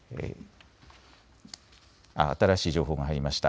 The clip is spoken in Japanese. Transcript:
新しい情報が入りました。